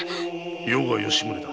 余が吉宗だ。